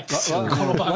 この番組。